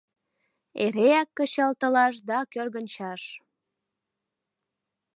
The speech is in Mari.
Эреак кычалтылаш да кӧргынчаш.